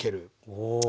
お！